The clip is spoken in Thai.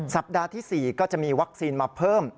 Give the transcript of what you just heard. สัปดาห์ที่๔ก็จะมีวัคซีนมาเพิ่ม